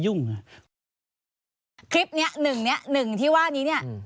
คลิปเนี้ยหนึ่งเนี้ยหนึ่งที่ว่านี้เนี่ย